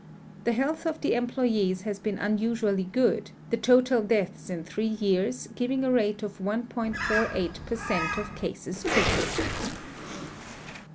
The health of the emploves has been unusually good, the total deaths in three years giving a rate of 1.48 per cent of cases treated.